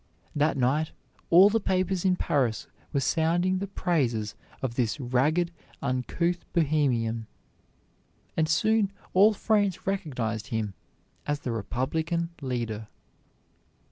That night all the papers in Paris were sounding the praises of this ragged, uncouth Bohemian, and soon all France recognized him as the Republican leader.